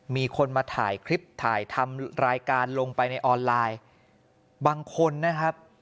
มีคนมาถ่ายคลิปถ่ายทำรายการลงไปในออนไลน์บางคนนะครับ